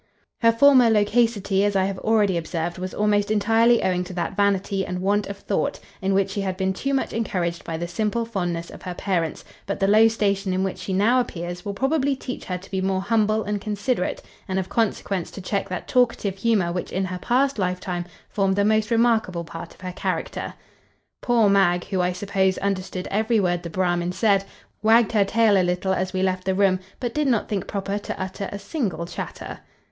Her former loquacity (as I have already observed) was almost entirely owing to that vanity and want of thought, in which she had been too much encouraged by the simple fondness of her parents; but the low station in which she now appears, will probably teach her to be more humble and considerate, and of consequence to check that talkative humour which in her past lifetime formed the most remarkable part of her character." Poor mag (who, I suppose, understood every word the Bramin said) wagged her tail a little, as we left the room, but did not think proper to utter a single chatter.